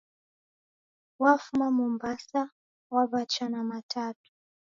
W'afuma Mombasa, waw'acha na Matatu.